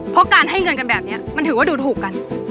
เพราะการให้เงินกันแบบนี้มันถือว่าดูถูกกัน